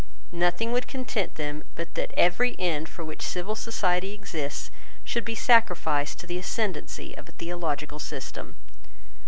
Nothing would content them but that every end for which civil society exists should be sacrificed to the ascendency of a theological system.